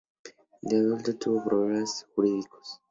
De adulto tuvo problemas jurídicos.